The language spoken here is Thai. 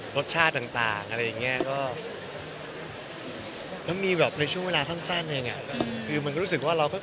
รสชาติต่างอะไรอย่างเงี้ยก็